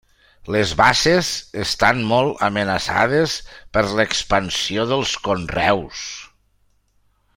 Les basses estan molt amenaçades per l'expansió dels conreus.